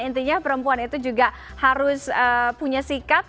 intinya perempuan itu juga harus punya sikap